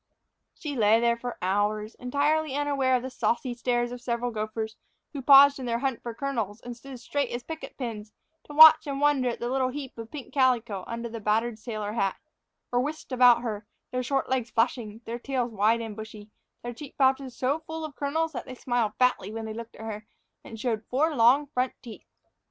She lay there for hours, entirely unaware of the saucy stares of several gophers who paused in their hunt for kernels and stood straight as picket pins to watch and wonder at the little heap of pink calico under the battered sailor hat, or whisked about her, their short legs flashing, their tails wide and bushy, their cheek pouches so full of kernels that they smiled fatly when they looked at her, and showed four long front teeth.